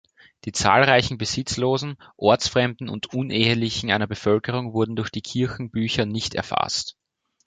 Die zahlreichen Besitzlosen, Ortsfremden und Unehelichen einer Bevölkerung wurden durch die Kirchenbücher nicht erfasst.